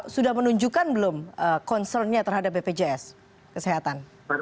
sudah menunjukkan belum concern nya terhadap bpjs kesehatan